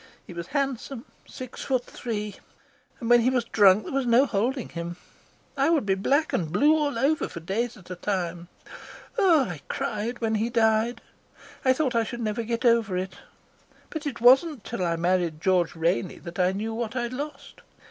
He was handsome, six foot three, and when he was drunk there was no holding him. I would be black and blue all over for days at a time. Oh, I cried when he died. I thought I should never get over it. But it wasn't till I married George Rainey that I knew what I'd lost.